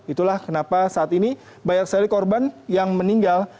itulah kenapa saat ini banyak sekali korban yang meninggal